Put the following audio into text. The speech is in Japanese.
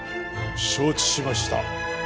承知しました。